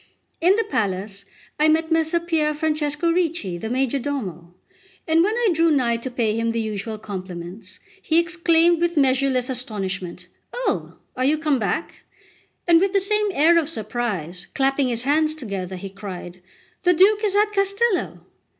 In the palace I met Messer Pier Francesco Ricci, the majordomo, and when I drew nigh to pay him the usual compliments, he exclaimed with measureless astonishment: "Oh, are you come back?" and with the same air of surprise, clapping his hands together, he cried: "The Duke is at Castello!"